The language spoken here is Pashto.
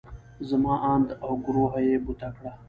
زما اند او ګروهه يې بوته کړه.